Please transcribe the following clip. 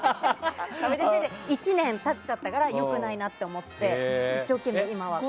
１年経っちゃったから良くないなと思って一生懸命、今ははい。